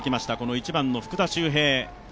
１番の福田周平。